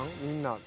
みんな。